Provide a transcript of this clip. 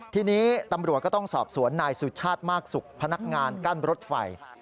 ทีนี้ตำรวจก็ต้องสอบสวนนายสุชาติมากสุขพนักงานกั้นรถไฟ